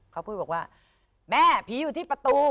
เขาพูดบอกว่าแม่ผีอยู่ที่ประตู